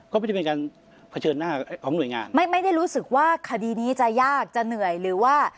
ก็ไม่ได้เป็นการเผชิญหน้าของหน่วยงานไม่ไม่ได้รู้สึกว่าคดีนี้จะยากจะเหนื่อยหรือว่า